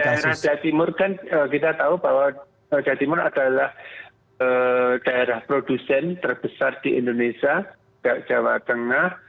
daerah jawa timur kan kita tahu bahwa jawa timur adalah daerah produsen terbesar di indonesia jawa tengah